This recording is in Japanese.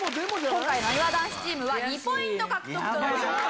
今回なにわ男子チームは２ポイント獲得となります。